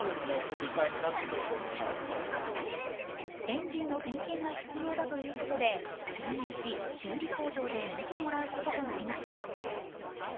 エンジンの点検が必要だということで、けん引し修理工場で見てもらうこととなりました。